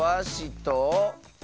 と。